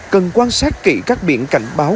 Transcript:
cần quan sát kỹ các biển cảnh báo